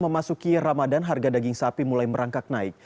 memasuki ramadan harga daging sapi mulai merangkak naik